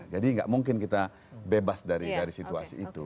jadi nggak mungkin kita bebas dari situasi itu